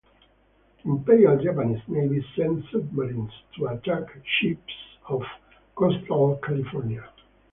The Imperial Japanese Navy sent submarines to attack ships off Coastal California.